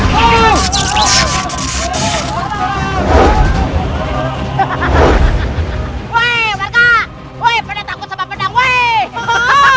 weh wadah weh pendang takut sama pendang weh